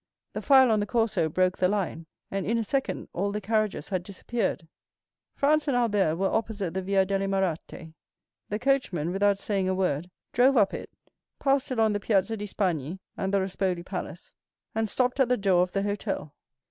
The file on the Corso broke the line, and in a second all the carriages had disappeared. Franz and Albert were opposite the Via delle Muratte; the coachman, without saying a word, drove up it, passed along the Piazza di Spagna and the Rospoli Palace and stopped at the door of the hotel.